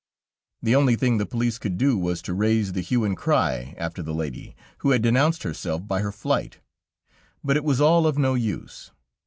The only thing the police could do was to raise the hue and cry after the lady, who had denounced herself by her flight, but it was all of no use.